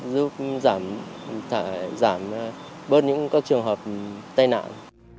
giúp giảm bớt những trường hợp tai nạn